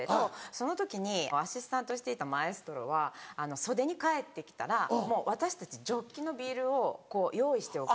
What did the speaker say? その時にアシスタントしていたマエストロは袖に帰ってきたら私たちジョッキのビールを用意しておく。